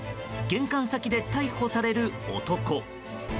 玄関先で逮捕される男。